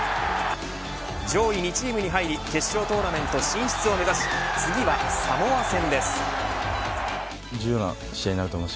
上位２チームに入り決勝トーナメント進出を目指し「キュキュット」